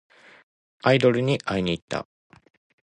アイドルに会いにいった。